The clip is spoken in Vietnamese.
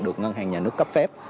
được ngân hàng nhà nước cấp phép